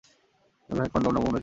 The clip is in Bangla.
যেন ব্যাগে কনডম না, বোম রেখেছি।